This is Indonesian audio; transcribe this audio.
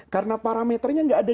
karena parameternya tidak ada